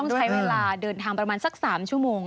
ใช้เวลาเดินทางประมาณสัก๓ชั่วโมง